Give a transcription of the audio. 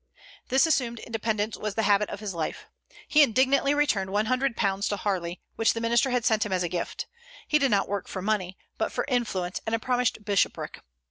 This assumed independence was the habit of his life. He indignantly returned £100 to Harley, which the minister had sent him as a gift: he did not work for money, but for influence and a promised bishopric.